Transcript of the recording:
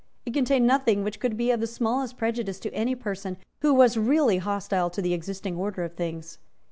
It contained nothing which could be of the smallest prejudice to any person who was really hostile to the existing order of things.